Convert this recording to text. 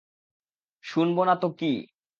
শুনব না তো কী।